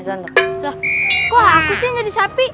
wah kok aku sih yang jadi sapi